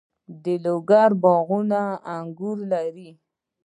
د لوګر باغونه انګور لري.